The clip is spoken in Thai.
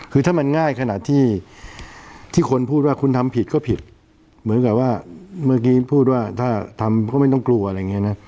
คือถ้ามันง่ายขนาดที่คนพูดว่าคุณทำผิดก็ผิดเหมือนกับว่าเมื่อกี้พูดว่าถ้าทำก็ไม่ต้องกลัวอะไรอย่างนี้นะ